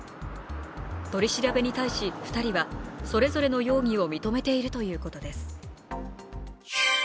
取り調べに対し２人はそれぞれの容疑を認めているということです。